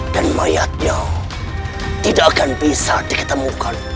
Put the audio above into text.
dan mayatnya tidak akan bisa diketemukan